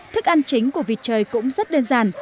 thức ăn chính của vịt trời cũng rất đơn giản